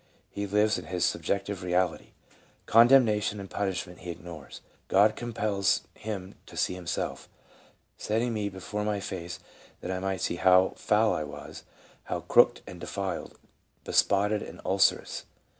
He lives in his sub jective reality ; condemnation and punishment he ignores. God compels him to see himself. ..." setting me be fore my face, that I might see how foul I was, how crooked and defiled, bespotted and ulcerous.